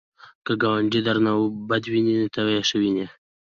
که ګاونډی درنه بد ویني، ته یې ښه وینه